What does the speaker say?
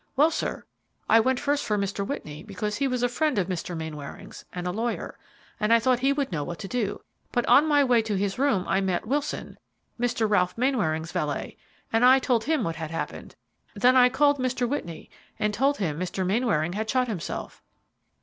"Well, sir, I went first for Mr. Whitney, because he was a friend of Mr. Mainwaring's and a lawyer, and I thought he would know what to do; but on my way to his room I met Wilson, Mr. Ralph Mainwaring's valet, and I told him what had happened; then I called Mr. Whitney and told him Mr. Mainwaring had shot himself."